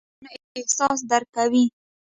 سپي د انسانانو احساس درک کوي.